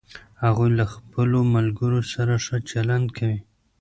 هغوی له خپلوملګرو سره ښه چلند کوي